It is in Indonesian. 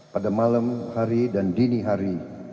pada malam hari dan dini hari